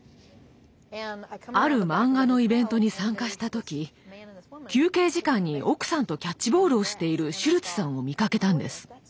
あるマンガのイベントに参加した時休憩時間に奥さんとキャッチボールをしているシュルツさんを見かけたんです。